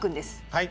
はい。